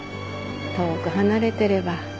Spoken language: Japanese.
遠く離れてれば。